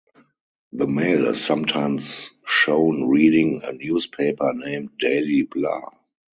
The male is sometimes shown reading a newspaper named "Daily Blah".